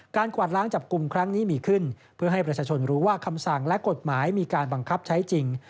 กวาดล้างจับกลุ่มครั้งนี้มีขึ้นเพื่อให้ประชาชนรู้ว่าคำสั่งและกฎหมายมีการบังคับใช้จริง